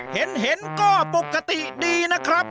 เห็นก็ปกติดีนะครับ